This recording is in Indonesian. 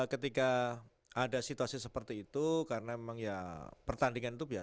ketika ada situasi seperti itu karena memang ya pertandingan itu biasa